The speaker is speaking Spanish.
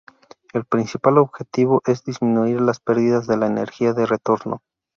El principal objetivo es disminuir las perdidas de la energía de retorno.